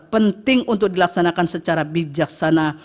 penting untuk dilaksanakan secara bijaksana